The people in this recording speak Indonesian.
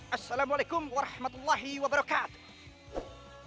assalamualaikum warahmatullahi wabarakatuh